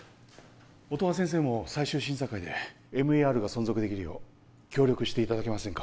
音羽先生も最終審査会でＭＥＲが存続できるよう協力していただけませんか？